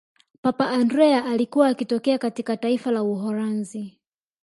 papa andrea alikuwa akitokea katika taifa la uholanzi